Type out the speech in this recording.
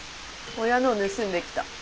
親のを盗んできた。